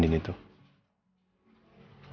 bener dan nyuruh